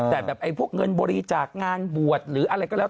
แต่แบบไอ้พวกเงินบริจาคงานบวชหรืออะไรก็แล้ว